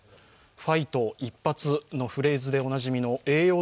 ファイト、一発のフレーズでおなじみの栄養